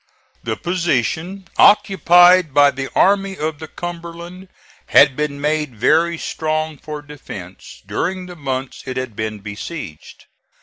The position occupied by the Army of the Cumberland had been made very strong for defence during the months it had been besieged.